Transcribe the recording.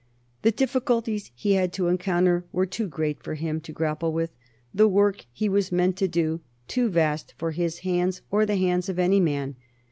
The difficulties he had to encounter were too great for him to grapple with; the work he was meant to do too vast for his hands or the hands of any man.